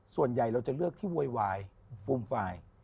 ส่วนใหญ่เราจะเลือกที่โวยวายฟูมฟาย